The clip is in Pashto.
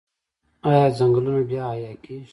آیا ځنګلونه بیا احیا کیږي؟